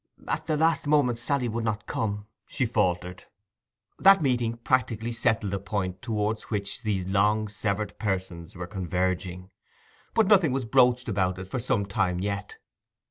'At the last moment Sally would not come,' she faltered. That meeting practically settled the point towards which these long severed persons were converging. But nothing was broached about it for some time yet.